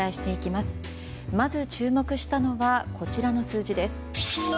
まず注目したのはこちらの数字です。